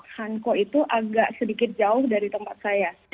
hanko itu agak sedikit jauh dari tempat saya